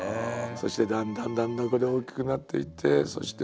そしてだんだんだんだん大きくなっていってそして